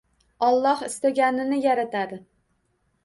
Alloh istaganini yaratadi.